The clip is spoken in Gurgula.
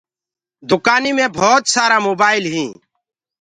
دُڪآنيٚ مي ڀوت سآرآ موبآئل هينٚ